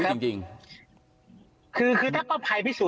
ทนายเกิดผลครับ